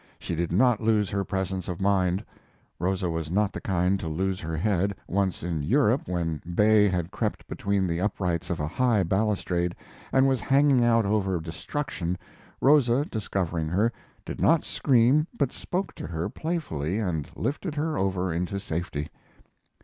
She did not lose her presence of mind, [Rosa was not the kind to lose her head. Once, in Europe, when Bay had crept between the uprights of a high balustrade, and was hanging out over destruction, Rosa, discovering her, did not scream but spoke to her playfully and lifted her over into safety.